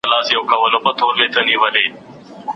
قصیده چي مي لیکل پر انارګلو